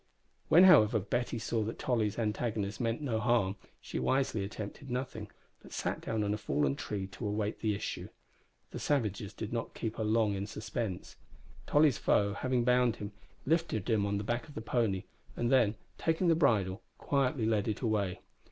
When, however, Betty saw that Tolly's antagonist meant no harm, she wisely attempted nothing, but sat down on a fallen tree to await the issue. The savages did not keep her long in suspense. Tolly's foe, having bound him, lifted him on the back of the pony, and then, taking the bridle, quietly led it away.